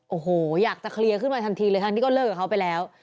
โอ้โหอยากจะเคลียร์ขึ้นมาทันทีเลยทั้งที่ก็เลิกกับเขาไปแล้ว